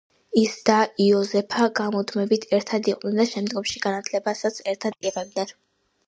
ის და იოზეფა გამუდმებით ერთად იყვნენ და შემდგომში განათლებასაც ერთად იღებდნენ.